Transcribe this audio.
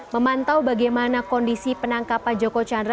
memantau bagaimana kondisi penangkapan joko chandra